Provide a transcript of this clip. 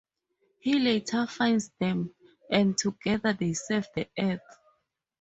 He later finds them, and together they save the Earth.